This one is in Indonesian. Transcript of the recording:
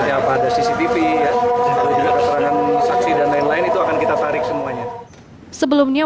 atau juga keserangan saksi dan lain lain itu akan kita tarik semuanya